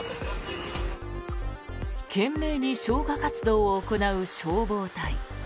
懸命に消火活動を行う消防隊。